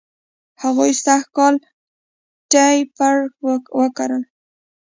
هغوی سږ کال ټیپر و کرل.